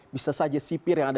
bisa saja sipir yang ada